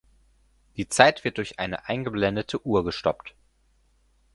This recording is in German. Die Zeit wird durch eine eingeblendete Uhr gestoppt.